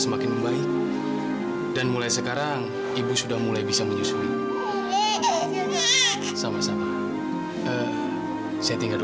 semakin baik dan mulai sekarang ibu sudah mulai bisa menyusui sama sama settingan